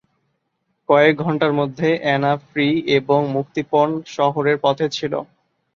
কয়েক ঘন্টার মধ্যে অ্যানা, ফ্রি এবং মুক্তিপণ শহরের পথে ছিল।